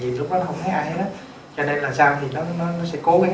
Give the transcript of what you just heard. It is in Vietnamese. gì lúc đó nó không thấy ai hết đó cho nên là sao thì nó nó sẽ cố gắng nó giữ lại cho cho cuối cùng